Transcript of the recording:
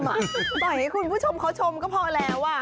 ปล่อยให้คุณผู้ชมเขาชมก็พอแล้ว